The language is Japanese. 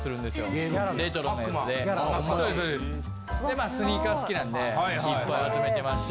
まあスニーカー好きなんでいっぱい集めてまして。